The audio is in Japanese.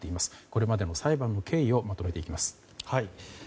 これまでの裁判の経緯をまとめていきます。